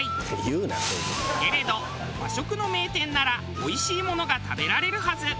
けれど和食の名店ならおいしいものが食べられるはず。